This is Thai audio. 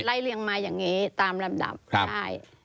ไล่เลี่ยงมาอย่างเงี้ยตามระดับ